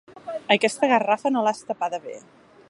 Aquesta garrafa, no l'has tapada bé.